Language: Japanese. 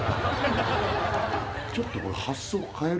ちょっとこれ。